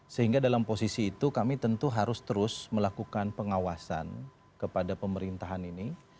sehingga dalam posisi itu kami tentu harus terus melakukan pengawasan kepada pemerintahan ini